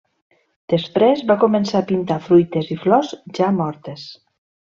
Després, va començar a pintar fruites i flors ja mortes.